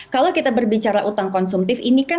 kalau kita berbicara utang konsumtif ini kan